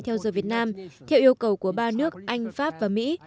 theo giờ việt nam theo yêu cầu của ba nước anh pháp và mỹ